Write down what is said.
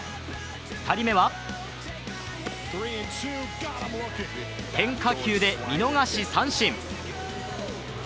２人目は変化球で見逃し三振。